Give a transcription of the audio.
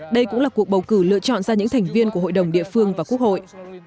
đây cũng là cuộc bầu cử lựa chọn ra những thành viên của hội đồng địa phương và quốc hội